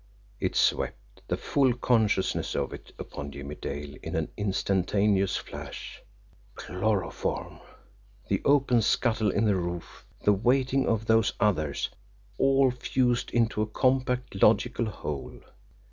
It swept, the full consciousness of it, upon Jimmie Dale in an instantaneous flash. Chloroform; the open scuttle in the roof; the waiting of those others all fused into a compact logical whole.